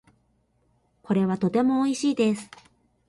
これはとても美味しいです。